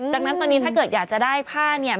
ดังนั้นตอนนี้ถ้าเกิดอยากจะได้ผ้าเนี่ย